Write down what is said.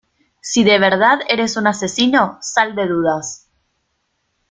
si de verdad eres un asesino, sal de dudas.